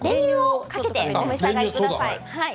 練乳をかけてお召し上がりください。